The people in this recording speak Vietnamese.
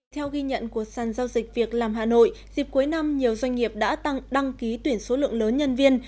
theo ghi nhận của sàn giao dịch việc làm hà nội dịp cuối năm nhiều doanh nghiệp đã tăng đăng ký tuyển số lượng lớn nhân viên